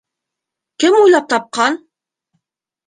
— Кем уйлап тапҡан?